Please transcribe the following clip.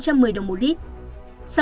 xăng e năm ron chín mươi hai giảm giá